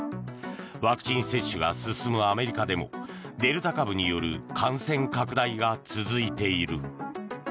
ワクチン接種が進むアメリカでもデルタ株による感染拡大が続いている。